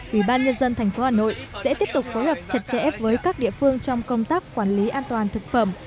ubnd tp hà nội sẽ tiếp tục phối hợp chặt chẽ với các địa phương trong công tác quản lý an toàn thực phẩm